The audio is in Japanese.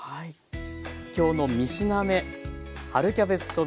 今日の３品目。